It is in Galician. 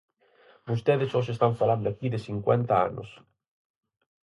Vostedes hoxe están falando aquí de cincuenta anos.